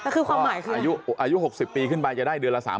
คือความหมายคืออายุ๖๐ปีขึ้นไปจะได้เวลา๓๐๐๐บาท